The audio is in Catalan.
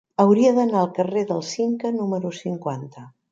Hauria d'anar al carrer del Cinca número cinquanta.